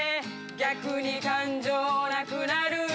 逆に感情なくなる